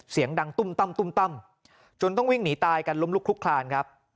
เสียงดังตุ้มตั้มตุ้มตั้มจนต้องวิ่งหนีตายกันล้มลุกลุกคลานครับ